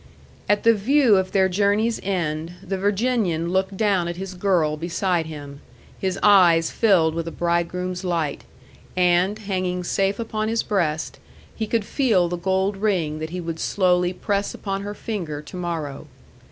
At the view of their journey's end, the Virginian looked down at his girl beside him, his eyes filled with a bridegroom's light, and, hanging safe upon his breast, he could feel the gold ring that he would slowly press upon her finger to morrow.